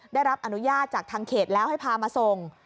ได้รับอนุญาตจากทางเขตแล้วให้พามาส่ง